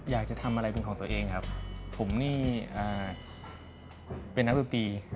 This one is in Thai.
อยากจะทำอะไรเป็นของตัวเองครับผมนี่เป็นนักดนตรี